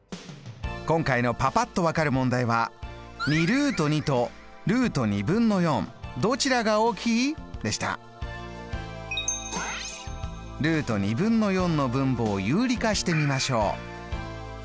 今回のパパっと分かる問題はの分母を有理化してみましょう。